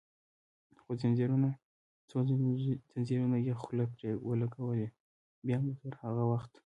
څو زنځیرونه یې خوله پرې ولګوي، بیا مو تر هغه وخت.